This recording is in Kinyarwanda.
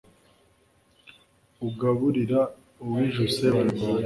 ugaburira uwijuse bararwana